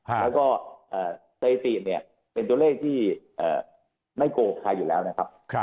แล้วก็เศรษฐีเป็นจุดเลขที่ไม่โกหกใครอยู่แล้วนะครับ